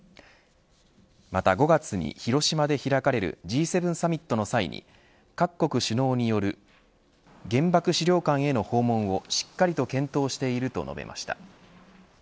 また５月に広島で開かれるＧ７サミットの際に各国首脳による原爆資料館への訪問をしっかりと検討していると述べました。